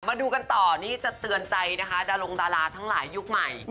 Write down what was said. มาดูกันต่อนี่จะเตือนใจนะคะดารงดาราทั้งหลายยุคใหม่